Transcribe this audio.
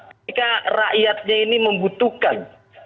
ketika rakyatnya ini membutuhkan